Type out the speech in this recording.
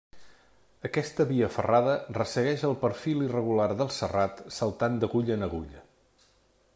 Aquesta via ferrada ressegueix el perfil irregular del serrat, saltant d'agulla en agulla.